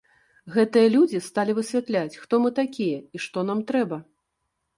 Гэтыя людзі сталі высвятляць, хто мы такія і што нам трэба.